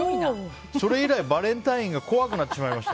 それ以来バレンタインが怖くなってしまいました。